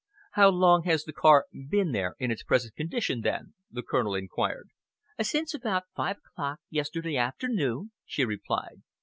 "How long has the car been there in its present condition, then?" the Colonel enquired. "Since about five o'clock yesterday afternoon," she replied.